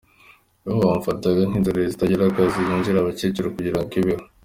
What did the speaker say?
Iwabo bamufataga nk’inzererezi itagira akazi, yinjira abakecuru kugirango ibeho.